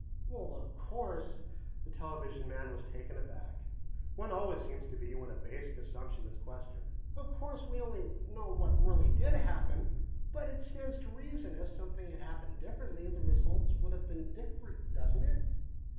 "Well, of course " The television man was taken aback; one always seems to be when a basic assumption is questioned. "Of course, we only know what really did happen, but it stands to reason if something had happened differently, the results would have been different, doesn't it?"